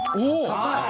高い！